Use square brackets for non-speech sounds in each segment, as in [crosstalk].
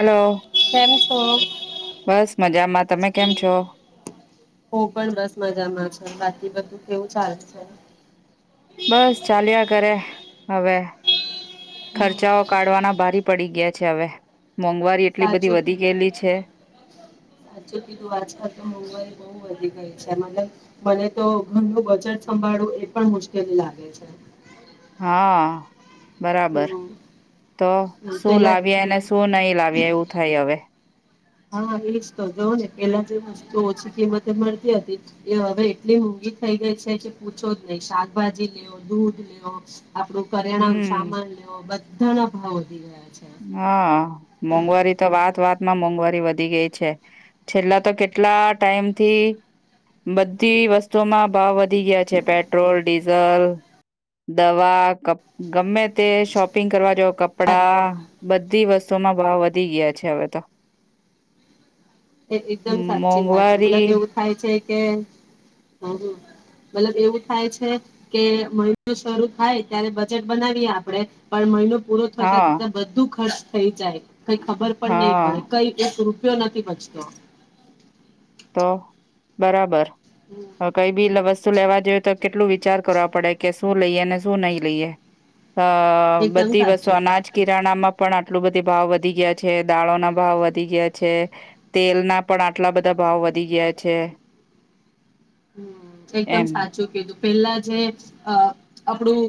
Hello કેમ છો બસ મજામાં તમે કેમ છો હું પણ બસ મજામાં છું બા કી બધું કેવું ચાલે છે બસ ચાલ્યા કરે. હવે. હમ ખર્ચાઓ કાઢવાના ભારી પડી ગયા. છે હવે મોંઘવારી એટલી સાચો બધી વધી ગયેલી છે સાચું કીધું આજકાલ તો મોંઘવારી બઉ વધી ગઈ. છે મને મને તો ઘરનું બજેટ સંભાળવું એ પણ મુશ્કેલ લાગે છે. હા બરાબર હમ તો શું પેલા લાવ્યા અને હમ, શું નહી લાવી એવું થાય હવે હા એ તો જ ને પેલા જે વસ્તુ ઓછી કિંમતે મળતી હતી એ હવે એટલી મોંઘી થઈ ગઈ છે કે પૂછો જ નહી શાકભાજી લેવ દૂધ લેવ આપડું પરિણામ હમ સામાન લેવો બધ ધણા ભાવ વધી ગયા છે. હા મોંઘવારી તો વાત વાત માં મોંઘવારી વધી વધ ગઈ છે છેલ્લા તો કેટલા ટાઈમથી બધી વસ્તુઓમાં ભાવ વધી ગયા છે પેટ્રોલ ડીઝલ દવા ગમે તે શોપિંગ કરવા જાવ કપડા સાચું. બધી વસ્તુઓમાં ભાવ વધી ગયા છે હવે તો એ એકદમ સાચી વાત છે મોંઘવારી મતલબ એવું થાય છે કે મતલબ એવું થાય છે કે મહિનો શરૂ થાય ત્યારે બજેટ બનાવીએ આપડે પણ મહિનો પૂરો થતા હા ત્યા બધું ખર્ચ થ જાય કઈ ખબર પણ નહી હા પડે કઈ ઉપપ નથી પછી તો તો બરાબર હ કઈ બી લસ લેવા જોઈએ તો કેટલું વિચાર કરવા પડે કે શું લઈએ અને શું નહી લઈએ અ એકદમ બધી વસ્તુ સાચું અનાજ કિરાણામાં પણ આટલું બધી ભાવ વધી ગયા છે દાળો ના ભાવ વધી ગયા છે તેલના પણ આટલા બધા બધા ભાવ વધી ગયા છે. હમ એકદમ એમ સાચું કીધું. પેલા જે આપણું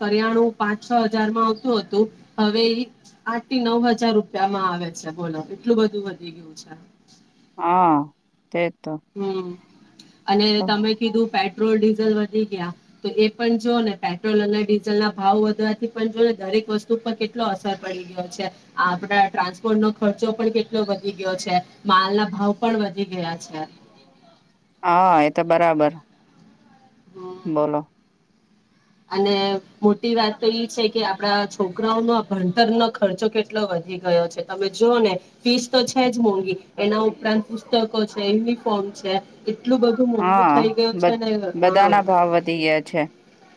કરિયાણું પાંચ છ હજારમાં આવતું હતું હવે આઠ થી નવ હજાર રૂપિયામાં આવે છે બોલો એટલું બધું વધી ગયું છે હા. તે તો હમ અને તો તમે કીધું પે પેટ્રોલ ડીઝલ વધી ગયા તો એ પણ જો ને પેટ્રોલ અને ડીઝલ ના ભાવ વધવાથી પણ જો ને દરેક વસ્તુ પર કેટલો અસર પડી ગયો છે આપડા ટ્રાન્સપોર્ટ ન ખર્ચો પણ કેટલો વધી ગયો છે માલ ના ભાવ પણ વધી ગયા છે. હા એ તો બરાબર. હમ. બોલો. અને મોટી વાત તો એઈ છે કે આપડા છોકરાઓનો ભણતરનો ખર્ચો કેટલો વધી ગયો છે તમે જોઓ ને ફીસ તો છે જ મોંઘી એના ઉપરાંત પુસ્તકો છે યુનિફોર્મ છે એટલું બધું મોંઘું હા થઈ ગયું બ છે ને હા બધાના ભાવ વધી ગયા છે.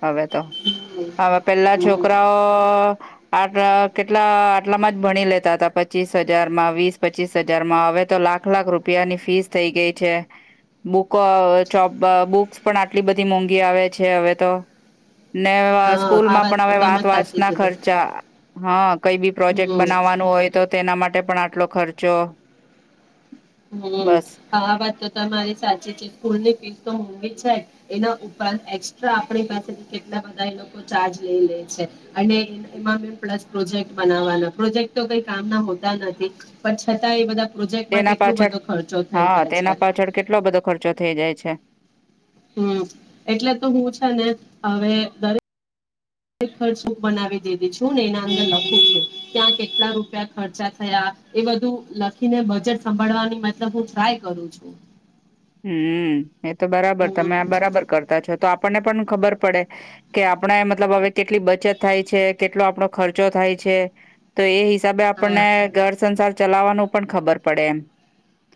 હવે તો હમ હવે પેલા હમ. છોકરાઓ આટ કેટલા આટલામાં જ ભણી લેતા હતા, પચીસ હજારમાં વીસ પચીસ હજારમાં હવે તો લાખ લાખ રૂપિયાની ફીસ થઈ ગઈ છે, બુક બ ચોપ બુક્સ પણ આટલી બધી મોંઘી આવે છે, હવે તો ને હા આ સ્કૂલમાં પણ તો હવે તમે વાત વાત સાચી ના કીધી ખર્ચા હા કઈ બી પ્રોજેક્ટ હમ બનાવવાનું હોય તો તેના માટે પણ આટલો ખર્ચો હમ્મ બસ વાત તો તમારી સાથેચ સ્કૂલની ફીસ તો મોંઘી છે, એના ઉપરાંત એસ્ટ્રા આપણી પાસે કેટલા બધા એ લોકો ચાર્જ લઈ લે છે, અને એમાં મે પ્લસ પ્રોજેક્ટ બનાવાના પ્રોજેક્ટ તો કઈ કામ ના હોતા નથી પણ છતાં એ બધા પ્રોજેક્ટમાં તેના કે પાછળ હા તેના પાછળ કેટલો બધો ખર્ચો થઈ જાય છે હમ્મ એટલે તો હું છે ને હવે દરેક ખર્ચૂપ બનાવી દીધી છું, ને એના અંદર લખું છું ત્યાં કેટલા રૂપિયા ખર્ચા થયા એ બધું લખીને બજેટ સંભાળવાની મતલબ હું ટ્રાય કરું છું. હમ્મ એ તો બરાબર હમ તમે આ બરાબર કરતા છો તો આપણને પણ ખબર પડે કે આપણે મતલબ હવે કેટલી બચત થાય છે, કેટલો આપણો ખર્ચો થાય છે, તો એ ત આપણ હા ને ઘર સંસાર ચલાવવાનું પણ ખબર પડે એમ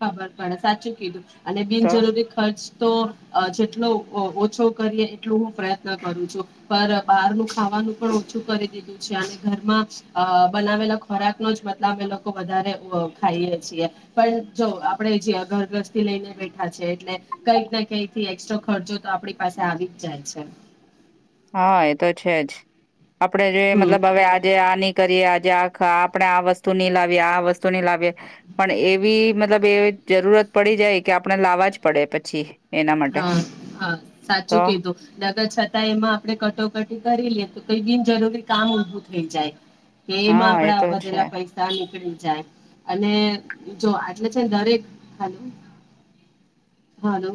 ખબર પડે સાચું કીધું છે અને તો બિનજરૂરી ખર્ચ તો જેટલો ઓછો કરીએ એટલું હું પ્રયત્ન કરું છું, પણ બહારનું ખાવાનું પણ ઓછું કરી દીધું છે, અને ઘરમાં બનાવેલા ખોરાક નો જ મતલબ લોકો વધારે ખાઈએ છીએ પણ જો આપડે જે ઘરગ્રસ્તી લઈને બેઠા છેએ એટલે કઈક ના કઈકથી એસ્ટ્રા ખર્ચો તો આપણી પાસે આવી જ જાય છે, હા એ તો છે, જ આપડણે જોઈ હમ મતલબ હવે આજે આની કરીએ આજે આખ આપણે આ વસ્તુ નહી લાવીએ આ વસ્તુ નની લાવીએ પણ એવી મતલબ એ જરૂરત પડી જાય કે આપણે લાવવા જ પડે પછી એના માટે હા હા સાચું તો કીધું નગર છતાં એમાં આપણે કટોકટી કરી લેએ તો કઈ બિનજરૂરી કામ ઉભું થઈ જાય કેમ હા એ આપડા તો છે બધેલા પૈસા જાય અને જો આટલે છેને દરેક ખનુંું હાલ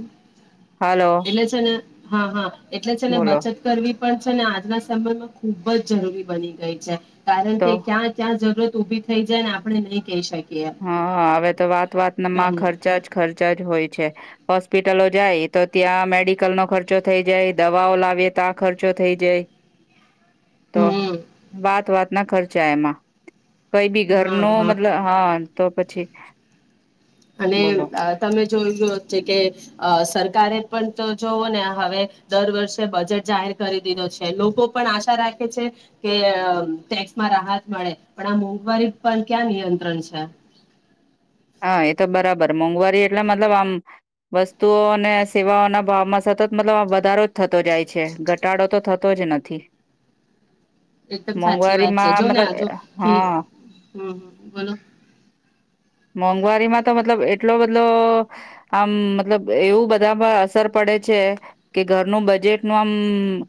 હાલો એલે છેને હા હા એટલે છે એને બોલો બચત કરવી પણ છે ને આજના સમયમાં ખુબ જ જરૂરી બની ગઈ છે, કારણ તો કે, ક્યાં ત્યાં જરૂરત ઉભી થઈ જાય ને આપણે નહીિ કહી શકીએ. હા હવે તો વાત વાતમાં હમ ખર્ચા જ ખર્ચા જ હોય છે, હોસ્પિટલો જાય તો ત્યાં મેડિકલ નો ખર્ચો થઈ જાય દવાઓ લાવીએ તો આ ખર્ચો થઈ જાય તો હમ વાત વાત ના ખર્ચા એમાં કંઈ બી ઘર હા નો હા મતલબ હાં તો પછી અને બોલો અ તમે જોયું [unintelligible] છે કે અ સર કારે પણ તો જોવો ને આ હવે દર વર્ષે બજેટ જાહેર કરી દીધો છે લોકો પણ આશા રાખે છે કે અ ટેક્સમાં રાહત મળે પણ આ મોંઘવારી પર ક્યાં નિયંત્રણ છે હા, એ તો બરાબર મોંઘવારી એટલે મતલબ આમ વસ્તુઓ અને સેવાઓના ભાવમાં સતત મતલબ આમ વધારો જ થતો જાય છે, ઘટાડો તો થતો જ નથી. એકદમ સાચી વાત છે, મોંઘવારીમાં જો ને મતલબ આ જો કે હા હમ્મ, બોલો. મોંઘવારીમાં તો મતલબ એટલો બધલો આમ મતલબ એવું બધા પર અસર પડે છે કે ઘરનું બજેટનું આમમમ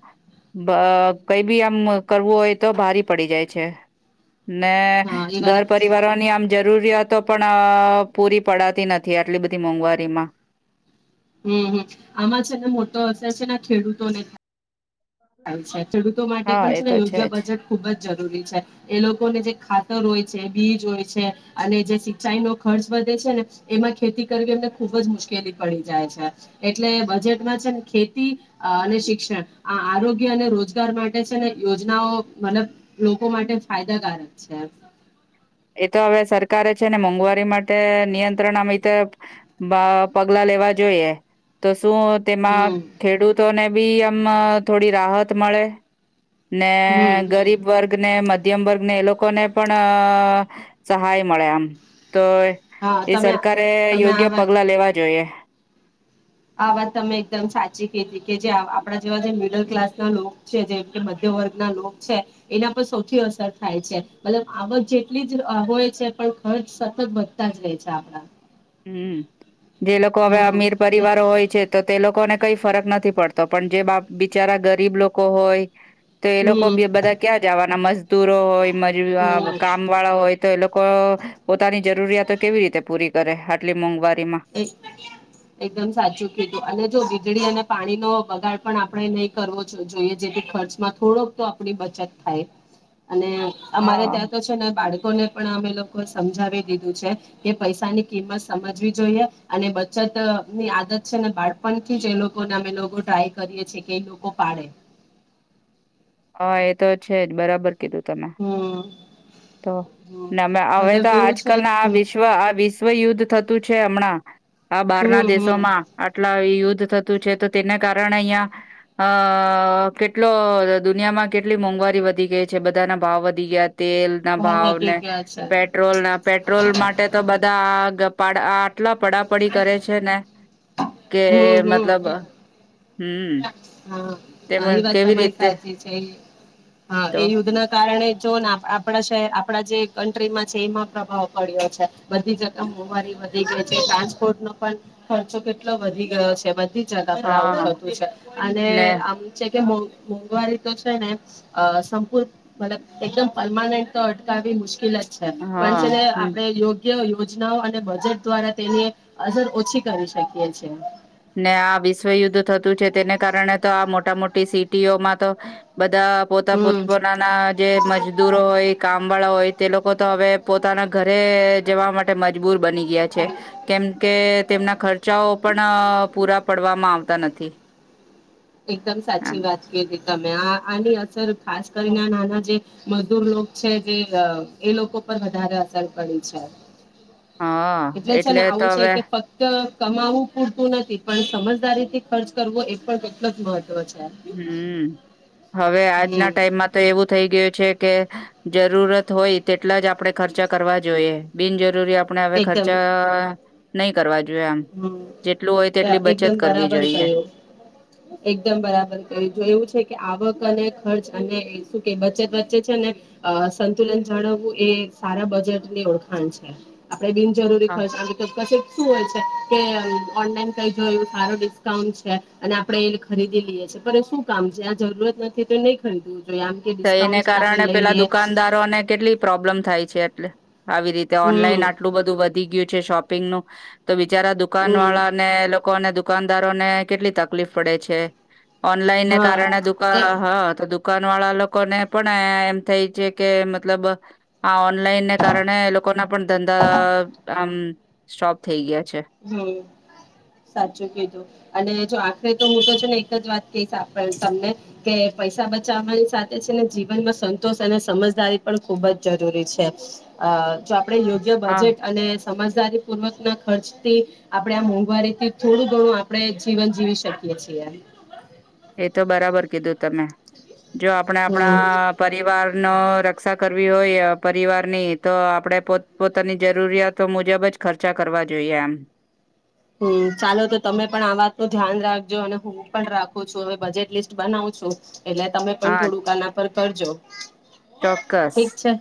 કંઈ બી આમ કરવું હોય, તો ભારી પડી જાય છે. ને હા એ વાત ઘર પરિવારોની આમ જરૂરિયાતો પણ અ પૂરી પડાતી નથી, આટલી બધી મોંઘવારીમાં હમ્મ, હમ્મ, આમાં છે ને મોટો અસર છે ને આ ખેડૂતોને થા થાય છે. ખેડૂતો માટે હા પન એ છે ને તો યોગ્ય જ બજેટ ખુબ જ જ રૂરી છે, એ લોકોને જે ખાતર હોય છે, બીજ હોય છે અને જે સિંચાઈનો ખર્ચ વધે છે ને એમાં ખેતી કરવી એમને ખુબ જ મુશ્કેલી પડી જાય છે, એટલે બજેટમાં છે ને ખેતી અને શિક્ષણ આ આરોગ્ય અને રોજગાર માટે છે ને યોજનાઓ મતલબ લોકો માટે ફાયદાકારક છે. એ તો અવે સરકારે છે ને મોંઘવારી માટે નિયંત્રણ આમ ઈતે ભ અ પગલા લેવા જોઈએ તો શું તેમાં હમ ખેડૂતોને બી મ થોડી રાહત મળે. ને હમ ગરીબ હમ વર્ગને મધ મધ્યમ વર્ગને એ લોકોને પણ અ સહાય મળે એમ તો હા એ તમે સરકારે તમે આ યોગ્ય વાત પગલા લેવા જોઈએ. આ વાત તમે એકદમ સાચી કીધી કે જે આપડા જેવા જે મિડલ ક્લાસના લોક છે જેમ કે મધ્ય વર્ગના લોક છે એના પર સૌથી અસર થાય છે, મતલબ આ બ જેટલી જ અ હોય છે પણ ખર્ચ સતત વધતા જ રેય છે આપડા હમ્મ. જે લોકો અવે અમીર પરિવારો હોય છે, તો તે લોકોને કંઈ ફરક નથી પડતો, પણ જે બા બિચારા ગરીબ લોકો હોય તો એ લોકો હમ બી બધા ક્યાં જાવાના મસ્ત તૂરો હોય મ [unintelligible] હમ કામવાળા હોય તો એ લોકો પોતાની જરૂરિયાતો કેવી રીતે પૂરી કરે આટલી મોંઘવા એક એકદમ સાચું કીધું અને જો વીજળી અને પાણીનો બગાડ પણ આપડે નઈ કરવો જો જોઈએ, જેથી ખર્ચમાં થોડોક તો આપડી બચત થાય અને અમારે હા ત્યાં તો છે ને બાળ ને પણ અમે લોકો સમજાવી દીધું છે કે પૈસાની કિંમત સમજવી જોઈએ અને બચત ની આદત છે ને બાળપણથી જ એ લોકોને અમે લોકો ટ્રાય કરીએ છીએ કે એ લોકો પાડે. હા એ તો છે જ બરાબર. કીધું તમે હમ તો હમ ને અમે હવે તો મતલબ એવું છે આજકાલ ના આ હમ વિશ્વ આ વિશ્વ યુદ્ધ થતું. છે હમણાં આ બહાર ના હમ હમ દેશોમાં આટલા યુદ્ધ થત થતું છે તો તેના કારણે અહિયાયા અ કેટલો દુનિયામાં કેટલી મોંઘવારી વધી ગઈ છે બધાના ભાવ વધી ગયા. તેલ ના ભાવ ભાવને વધી ગયા છે પેટ્રોલ ના પેટ્રોલ માટે તો બધા ગ પાડ આઠ કેટલા પડાપડી કરે છે ને કે હમ મતલબ હમ હમમ [inaudible] હા એ વાત તમારી સાચી છે. હા તો એ યુદ્ધ ના કારણે જ જોને આપણા શહેર આપણા જે કન્ટ્રીમાં છે એમાં પ્રભાવ પડ્યો છે. બધી જગયા મોંઘવારી વધી ગઈ છે. મમ્મી ટ્રાન્સપોર્ટ નો પણ ખર્ચો કેટલો વધી ગયો છે. બધી જતા પર આવું હા થતું છે. અને ને આવું છે મોંઘવારી તો છે ને અ સંપૂર્ મતલબ એકદમ પરમનન્ટ તો અટકાવી મુશ્કેલ જ છે એમ પણ હા છે ને આપડે યોગ આ યોજનાઓ અને બજેટ દ્વારા તેની અસર ઓછી કરી શકીએ છે. ને આ વિશ્વયુદ્ધ થતું છે તેને કારણે તો આ મોટા મોટી સિટીઓમાં તો બધ બધા પોતા પોત હમ પોતાના જે મજદૂરો હોય કામ વાળા હોય તે લોકો તો હવે પોતાના ઘરે જવા માટે મજબૂર બની ગયા છે કેમ કે તેમના ખર્ચ ખર્ચા ઓ પણ પડવામાં આવતા નથી. એકદમ સાચી એમ વાત કીધી. તમે આ આની અસર ખાસ કરીને નાના જે મજદૂર લોક છે જે એ લોકો પર વધારે અસર પડી છે. હા એટલે છે ને આવું તો છે હવે કે ફક્ત કમાવું પૂરતું નથી પણ સમજદારી થી ખર્ચ કરવો એ પણ એટલો જ મહત્વ છે. હમમ હવે આજના હમ ટાઈમમાં તો એવું થઈ ગયું છે કે જરૂરત હોય તે એટલા જ આપડે ખર્ચા કરવા જોઈએ. બિનજરૂરી આપ આપણે હવે ખર્ચા નહી કરવા જોઈએ આમ. હમ્મ જેટલું હોય તેટલી બચત એકદમ કરવી બરાબર જોઈએ. કયો એકદમ બરાબર જો એવું છે કે આવક અને ખર્ચ અને શું કે બચત વચ્ચે છે ને સંતુલન જાળવવું એ સારા બજેટની ઓળખાણ છે, એ બીન જરૂરી હા. ખ અ તો કશે હો ઓનલાન એવ સાર ડિસ્કાઉન્ટ છે, અને આપડે એ ખરીદી લઈએ છી શું કામ છે, આ જરૂરત નથી તો નહી ખરીવું તો એને કારણે પેલા દુકાનદારોને કેટલી પ્રોબ્લેમ થાય છે એટલે આવી રીતે હમ ઓનલાઈન આટલું બધું વધી ગયું છે, શોપ પિન નું તો બિચારા દુકાન હમ વાળા ને લોકોને દુકાનદારો ને કેટલી તકલીફ પડે છે, ઓનલાઈનને હા કારણે દુખ એ હ તો દુકાન વાળા લોકોને પણ એમ થઈ છે, કે મતલબ આ ઓનલાઈનને કારણે એ લોકો ના પણ ધંધા આમ સ્ટોપ થઈ ગયા. છે હમ્મ સાચું કીધું અને જો આખરે તો હું તો છે, ને એક જ વાત કહીશ તમને કે પૈસા બચાવવાની સાથે છે, ને જીવનમાં સંતોષ અને સમજદારી પણ ખુબ જ જરૂરી છે જો આપણે યોગ્ય હા બજેટ અને સમજદારી પૂર્વક ના ખર્ચ આપણે આ મોંઘવારીથી થોડું ઘણું આપણે જીવન જીવી શકીએ છીએ એ તો બરાબર કીધું તમે જો આપણે હમ આપણા પરિવાર નો રક્ષા કર હોય પરિવારની તો આપણે પોતાની જરૂરિયાતો મુજબ જ ખર્ચા કરવા જોઈએ આમ હમ્મ ચાલો તો તમે પણ આ વાત ન ધ્યાન રાખજો અને હું પણ રાખું છું, હવે બજેટ લિસ્ટ બનાવ છો એટલે તમે પણ હા થોડુંક આના પર કરજો ચોક્કસ ઠીક છે,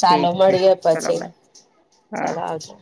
ચાલો ઠીક છે મળીએ ચલો પછી બાય હા. ચાલો આવજો.